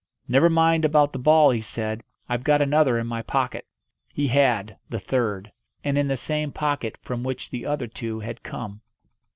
"Never mind about the ball," he said. "I've got another in my pocket." He had the third. And in the same pocket from which the other two had come.